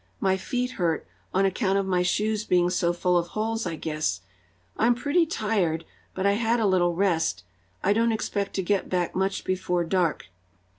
"My feet hurt, on account of my shoes being so full of holes, I guess. I'm pretty tired, but I had a little rest. I don't expect to get back much before dark."